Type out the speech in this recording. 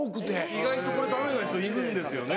意外とこれダメな人いるんですよね。